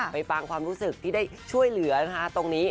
ฟังความรู้สึกที่ได้ช่วยเหลือนะคะตรงนี้